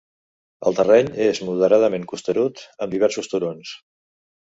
El terreny és moderadament costerut amb diversos turons.